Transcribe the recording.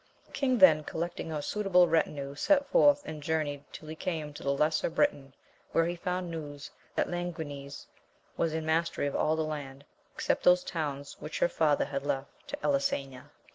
The king then collecting a suitable retinue, set forth, and journied till he came to the lesser Bri tain, where he found news that Languines was in mastery of all the land, except those towns which her father had left to Elisena.